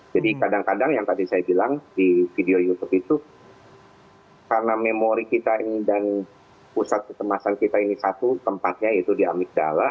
jadi kadang kadang yang tadi saya bilang di video youtube itu karena memori kita ini dan pusat kecemasan kita ini satu tempatnya itu di amikdala